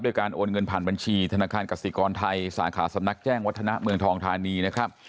การโอนเงินผ่านบัญชีธนาคารกสิกรไทยสาขาสำนักแจ้งวัฒนาเมืองทองทานีนะครับ